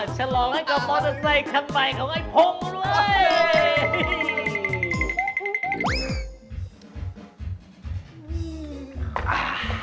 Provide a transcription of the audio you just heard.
ชลอมกับมอเตสไตล์คันใหม่ของไอ้พงด้วย